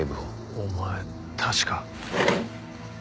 お前確か。